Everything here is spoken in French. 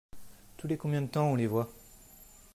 Tous les combien de temps on les voit ?